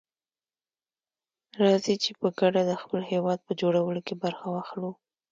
راځي چي په ګډه دخپل هيواد په جوړولو کي برخه واخلو.